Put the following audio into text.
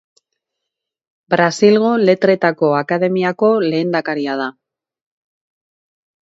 Brasilgo Letretako Akademiako lehendakaria da.